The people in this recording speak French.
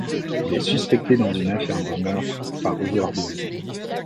Il est suspecté dans une affaire de meurtre par overdose.